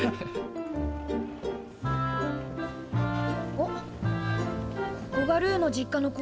おっここがルーの実家の工場か。